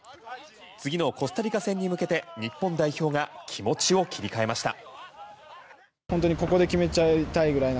次のコスタリカ戦に向けて日本代表が気持ちを切り替えました。